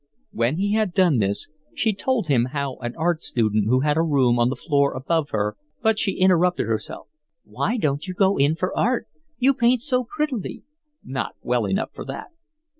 When he had done this, she told him how an art student who had a room on the floor above her—but she interrupted herself. "Why don't you go in for art? You paint so prettily." "Not well enough for that."